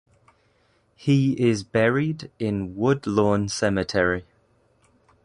He is buried in Woodlawn Cemetery.